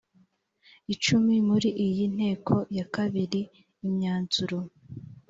icumi muri iyi nteko ya kabiri imyanzuro